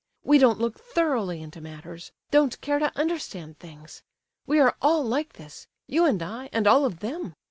We don't look thoroughly into matters—don't care to understand things. We are all like this—you and I, and all of them!